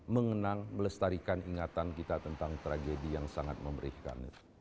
mengenang melestarikan ingatan kita tentang tragedi yang sangat memerihkan